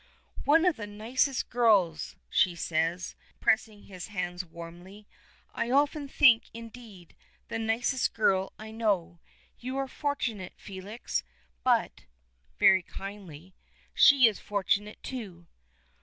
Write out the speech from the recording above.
"One of the nicest girls," she says, pressing his hands warmly. "I often think, indeed, the nicest girl I know. You are fortunate, Felix, but" very kindly "she is fortunate, too."